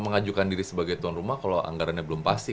mengajukan diri sebagai tuan rumah kalau anggarannya belum pasti